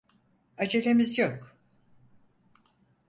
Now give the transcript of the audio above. Acelemiz yok.